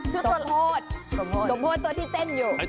ชื่อสมโพธสมโพธสมโพธตัวที่เต้นอยู่